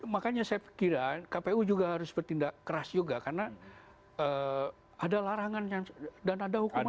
makanya saya kira kpu juga harus bertindak keras juga karena ada larangan dan ada hukuman